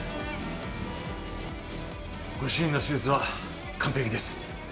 ご主人の手術は完璧です。